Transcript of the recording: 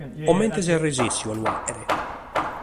Comente ses resèssidu a lu fàghere?